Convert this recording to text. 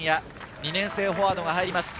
２年生、フォワードが入ります。